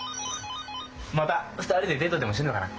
☎また２人でデートでもしてるのかな？